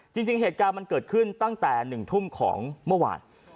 จริงเหตุการณ์มันเกิดขึ้นตั้งแต่๑ทุ่มของเมื่อวาน